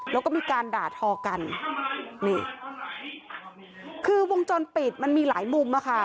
แล้วก็มีการด่าทอกันนี่คือวงจรปิดมันมีหลายมุมอะค่ะ